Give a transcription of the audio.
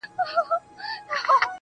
لوی کندهار ته راسي